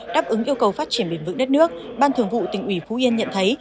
đáp ứng yêu cầu phát triển bền vững đất nước ban thường vụ tỉnh ủy phú yên nhận thấy